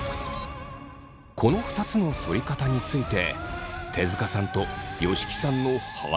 この２つのそり方について手塚さんと吉木さんの判定は？